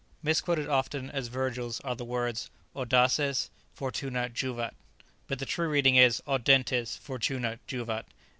Misquoted often as Virgil's are the words "Audaces fortuna juvat!" but the true reading is "Audentes fortuna juvat!"